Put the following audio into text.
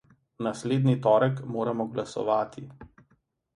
Naslednji torek moramo glasovati.